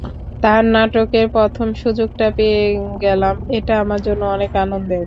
তাঁর নাটকেই প্রথম সুযোগটা পেয়ে গেলাম, এটা আমার জন্য অনেক আনন্দের।